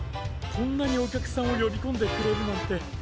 こんなにおきゃくさんをよびこんでくれるなんて。